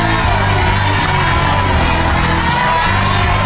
ลูกที่สองต่างไปแล้ว